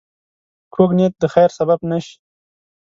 کوږ نیت د خیر سبب نه شي